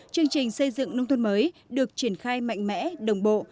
chương trình xây dựng nông thôn mới được triển khai mạnh mẽ đồng bộ